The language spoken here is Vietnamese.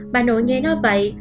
bà nội nghe nó vậy